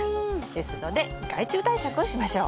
ですので害虫対策をしましょう。